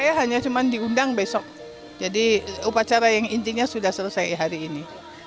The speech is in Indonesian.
saya hanya cuma diundang besok jadi upacara yang intinya sudah selesai hari ini